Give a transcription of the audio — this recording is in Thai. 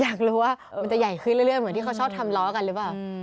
อยากรู้ว่ามันจะใหญ่ขึ้นเรื่อยเหมือนที่เขาชอบทำล้อกันหรือเปล่า